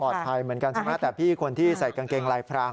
ปลอดภัยเหมือนกันสำหรับที่คนที่ใส่กางเกงลายพราง